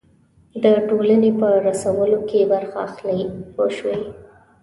د ټولنې په رسولو کې برخه اخلي پوه شوې!.